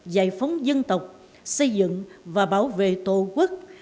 giải phóng dân tộc xây dựng và bảo vệ tổ quốc